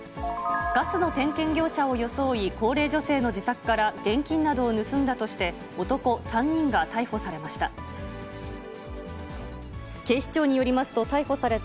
ガスの点検業者を装い、高齢女性の自宅から現金などを盗んだとして、男３人が逮捕されました。